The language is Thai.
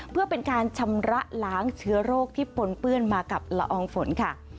เพื่อเป็นการชำระล้างเชื้อโรคที่ปนเปื้อนมากับละอองฝนค่ะ